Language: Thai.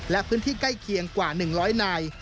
และพื้นที่ใกล้เคียงกว่า๑๐๐นาย